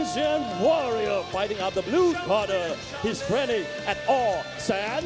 สำหรับทุกคน